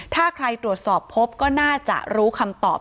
ถ้าใครตรวจสอบพบก็น่าจะรู้คำตอบ